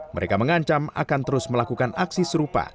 mereka mengancam akan terus melakukan aksi serupa